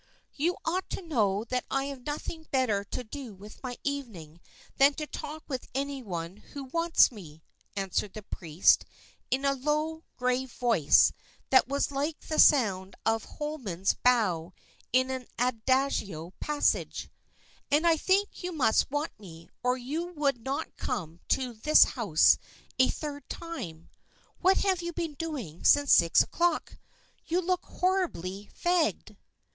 "You ought to know that I have nothing better to do with my evening than to talk with anybody who wants me," answered the priest in the low, grave voice that was like the sound of Hollmann's bow in an adagio passage, "and I think you must want me, or you would not come to this house a third time. What have you been doing since six o'clock? You look horribly fagged."